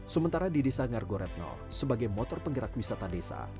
sementara di desa ngargoretno sebagai motor penggerak wisata desa